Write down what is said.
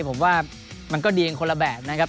ผมว่ามันก็ดีกันคนละแบบนะครับ